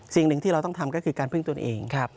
สิ่งหนึ่งที่เราต้องทำก็คือการพึ่งตนเอง